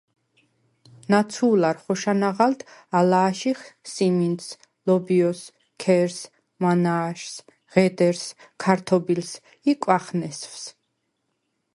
ნაცუ̄ლარ ხოშა ნაღალდ ალა̄შიხ: სიმინდს, ლობჲოს, ქერს, მანა̄შს, ღედერს, ქართობილს ი კვახნესვს.